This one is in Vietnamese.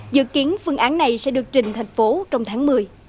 dự kiến phương án này sẽ được trình thành phố trong tháng một mươi